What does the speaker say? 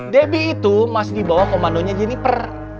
debbie itu masih dibawa komandonya jeniper